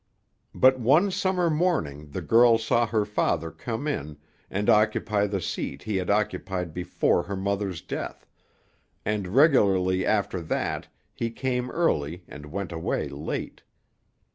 But one summer morning the girl saw her father come in, and occupy the seat he had occupied before her mother's death, and regularly after that he came early and went away late.